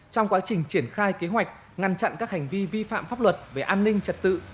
trong quá trình triển khai kế hoạch ngăn chặn các hành vi vi phạm pháp luật về an ninh trật tự